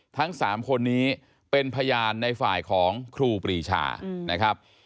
ทั้ง๓คนนี้เป็นพยานในฝ่ายของครูปรีชานะครับ